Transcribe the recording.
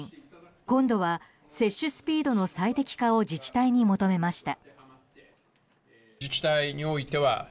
今度は接種スピードの最適化を自治体に求めました。